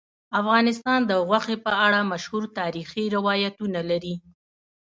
افغانستان د غوښې په اړه مشهور تاریخی روایتونه لري.